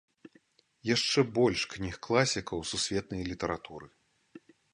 Яшчэ больш кніг класікаў сусветнай літаратуры.